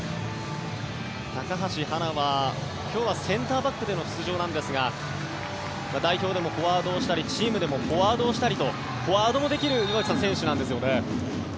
高橋はなは今日はセンターバックでの出場なんですが代表でもフォワードをしたりチームでもフォワードをしたりとフォワードもできる選手なんですよね。